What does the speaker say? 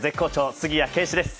杉谷拳士です。